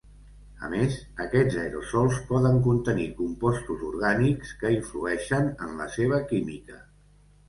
A més, aquests aerosols poden contenir compostos orgànics, que influeixen en la seva química.